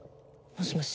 「もしもし！